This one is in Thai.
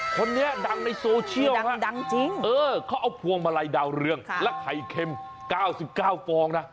คนนี้ดังในโซเชียลเขาเอาพวงมาลัยดาวเรืองและไข่เค็ม๙๙ฟองนะ